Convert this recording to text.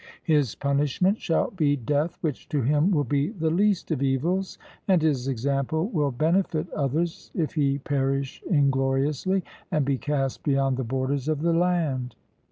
His punishment shall be death, which to him will be the least of evils; and his example will benefit others, if he perish ingloriously, and be cast beyond the borders of the land.